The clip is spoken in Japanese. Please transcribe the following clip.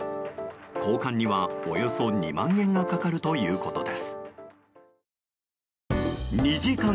交換には、およそ２万円がかかるということです。